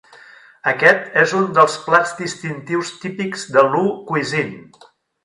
Aquest és un dels plats distintius típics de Lu Cuisine.